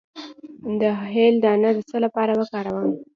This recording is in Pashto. د هل دانه د څه لپاره وکاروم؟